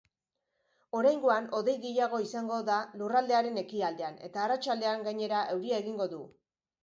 Oraingoan hodei gehiago izango da lurraldearen ekialdean eta arratsaldean gainera euria egingo du.